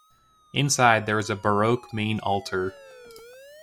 Inside there is a Baroque main altar.